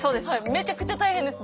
めちゃくちゃ大変です。